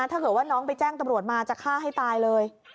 ถ้าเกิดว่าน้องไปแจ้งตำรวจมาจะฆ่าให้ตายเลย